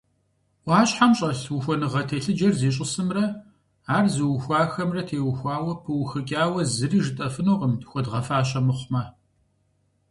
Ӏуащхьэм щӀэлъ ухуэныгъэ телъыджэр зищӀысымрэ ар зыухуахэмрэ теухуауэ пыухыкӀауэ зыгуэр жытӀэфынукъым, хуэдгъэфащэ мыхъумэ.